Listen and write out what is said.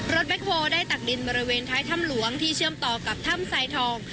แบ็คโฮลได้ตักดินบริเวณท้ายถ้ำหลวงที่เชื่อมต่อกับถ้ำสายทอง